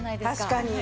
確かに。